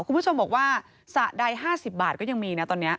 คุณผู้ชมบอกว่าสระใด๕๐บาทก็ยังมีนะตอนนี้